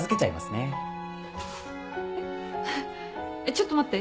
ちょっと待って。